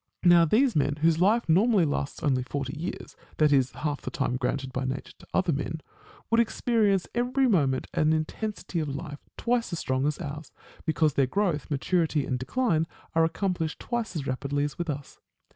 Now these men, whose life normally lasts only forty years, that is, half the time granted by nature to other men, would experience every moment an intensity of life, twice as strong as ours, because their growth, matu rity, and decline are accomplished twice as rapidly as with us.